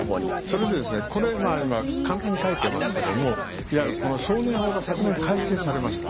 それで、これ今、簡単に書いてますけどもいわゆる少年法が昨年、改正されました。